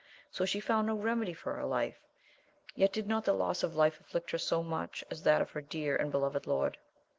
So she found no remedy for her life ; yet did not the loss of life afflict her so much as that of her dear and be loved lord.